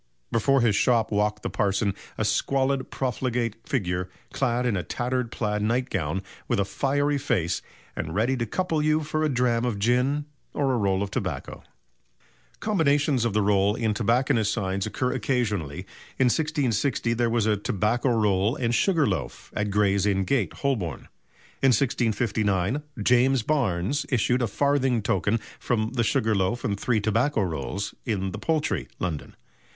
Before his shop walked the parson "a squalid, profligate figure, clad in a tattered plaid nightgown, with a fiery face, and ready to couple you for a dram of gin, or roll of tobacco." Combinations of the roll in tobacconists' signs occur occasionally. In 1660 there was a "Tobacco Roll and Sugar Loaf" at Gray's Inn Gate, Holborn. In 1659 James Barnes issued a farthing token from the "Sugar Loaf and Three Tobacco Rolls" in the Poultry, London.